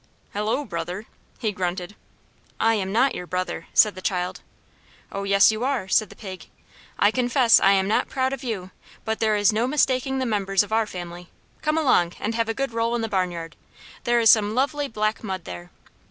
"Hallo, brother!" he grunted. "I am not your brother!" said the child. "Oh yes, you are!" said the pig. "I confess I am not proud of you, but there is no mistaking the members of our family. Come along, and have a good roll in the barnyard! There is some lovely black mud there."